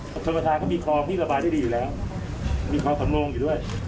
ชนประธานก็มีคลองที่ระบายได้ดีอยู่แล้วมีความสำโลงอยู่ด้วย